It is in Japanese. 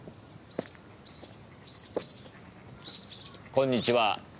こんにちは。